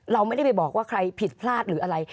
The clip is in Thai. เราไม่ได้ไปบอกว่าใครผิดพลาดหรืออะไร